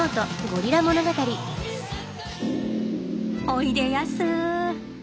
おいでやす。